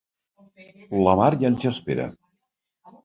La Mar ja ens hi espera.